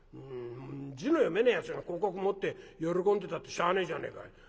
字の読めねえやつが広告持って喜んでたってしゃあねえじゃねえか。